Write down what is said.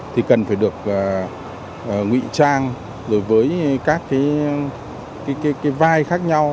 thì cần phải được ngụy trang rồi với các cái vai khác nhau